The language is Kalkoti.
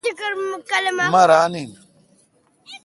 مہ ران این۔